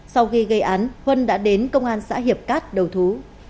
sau khi gây án huân đã đến công an xã hiệp cát đầu thú